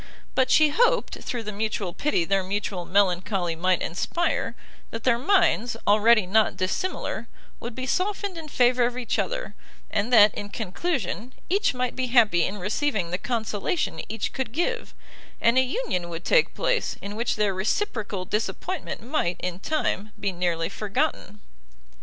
But she hoped, through the mutual pity their mutual melancholy might inspire, that their minds, already not dissimilar, would be softened in favour of each other, and that, in conclusion, each might be happy in receiving the consolation each could give, and a union would take place, in which their reciprocal disappointment might, in time, be nearly forgotten.